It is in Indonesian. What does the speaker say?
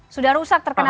sudah rusak terkena